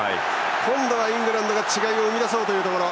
今度はイングランドが違いを生み出そうというところ。